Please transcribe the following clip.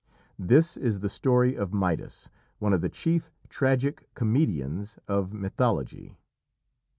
This is the story of Midas, one of the chief tragic comedians of mythology.